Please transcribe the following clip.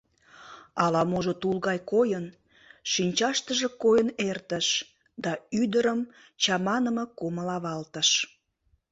Ала-можо тул гай койын, шинчаштыже койын эртыш, да ӱдырым чаманыме кумыл авалтыш.